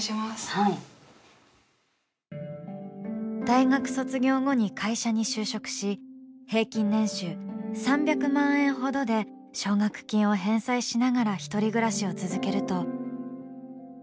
大学卒業後に会社に就職し平均年収３００万円ほどで奨学金を返済しながら１人暮らしを続けると。